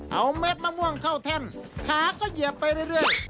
เอาเม็ดมะม่วงเข้าแท่นขาก็เหยียบไปเรื่อย